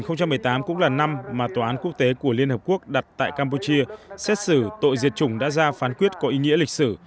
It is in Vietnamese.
năm hai nghìn một mươi tám cũng là năm mà tòa án quốc tế của liên hợp quốc đặt tại campuchia xét xử tội diệt chủng đã ra phán quyết có ý nghĩa lịch sử